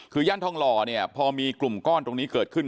คือย่านทองหล่อเนี่ยพอมีกลุ่มก้อนตรงนี้เกิดขึ้น